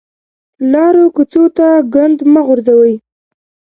لارو کوڅو ته ګند مه غورځوئ